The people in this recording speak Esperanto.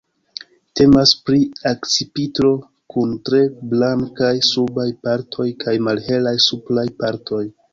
Temas pri akcipitro kun tre blankaj subaj partoj kaj malhelaj supraj partoj.